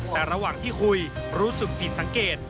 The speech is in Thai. แต่ระหว่างที่คุยรู้สึกผิดสังเกต